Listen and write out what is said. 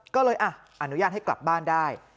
ก็เลยอนุญาตให้กลับบ้านได้